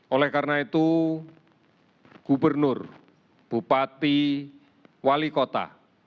oleh karena itu gubernur bupati wali kota